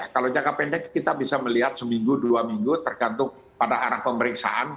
kalau jangka pendek kita bisa melihat seminggu dua minggu tergantung pada arah pemeriksaan